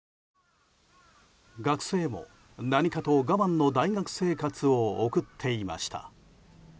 学生も何かと我慢の大学生活を送っていました。